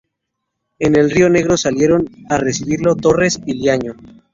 En el río Negro salieron a recibirlo Torres y Liaño.